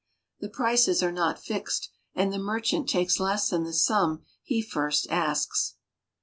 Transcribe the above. The prices are not fixed, and the merchant takes less than the sum he first asks.